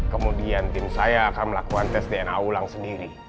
kemudian tim saya akan melakukan tes dna ulang sendiri